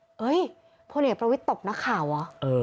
เฮ้ยพระเนตรประวิทธิ์ตบนักข่าวเหรอ